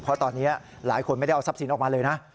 เพราะตอนนี้หลายคนไม่ได้เอาทรัพย์สินออกมาเลยนะ